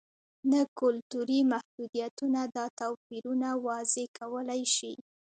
نه کلتوري محدودیتونه دا توپیرونه واضح کولای شي.